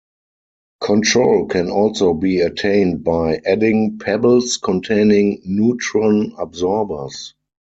Control can also be attained by adding pebbles containing neutron absorbers.